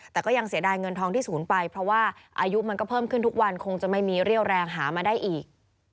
แต่ก็ยังเสียดายเงินทองที่ศูนย์ไปเพราะว่าอายุมันก็เพิ่มขึ้นทุกวันคงจะไม่มีเรี่ยวแรงหามาได้อีก